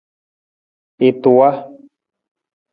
I tuwa.